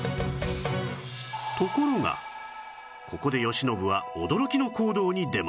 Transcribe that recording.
ところがここで慶喜は驚きの行動に出ます